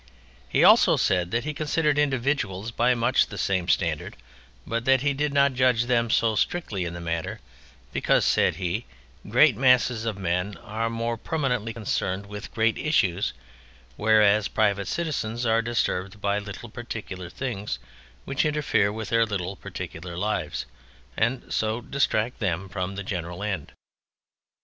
He also said that he considered individuals by much the same standard, but that he did not judge them so strictly in the matter, because (said he) great masses of men are more permanently concerned with great issues; whereas private citizens are disturbed by little particular things which interfere with their little particular lives, and so distract them from the general end.